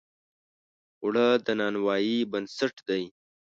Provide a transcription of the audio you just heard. اوړه د نانوایۍ بنسټ دی